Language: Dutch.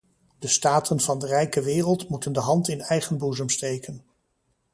De staten van de rijke wereld moeten de hand in eigen boezem steken.